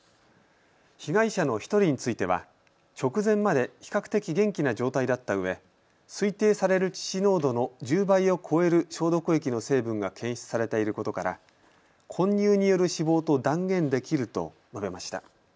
被害者の１人については直前まで比較的元気な状態だったうえ推定される致死濃度の１０倍を超える消毒液の成分が検出されていることから混入による死亡と断言できると述べました。